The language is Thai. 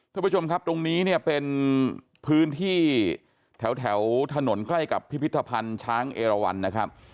ท่านผู้ชมครับตรงนี้เนี่ยเป็นพื้นที่แถวถนนใกล้กับพิพิธภัณฑ์ช้างเอราวันนะครับ